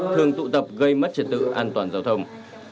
thường tụ tập gây mất trật tự an toàn giao thông